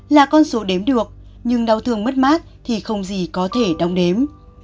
hai mươi ba bốn trăm bảy mươi sáu là con số đếm được nhưng đau thương mất mát thì không gì có thể đong đếm